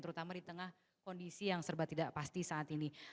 terutama di tengah kondisi yang serba tidak pasti saat ini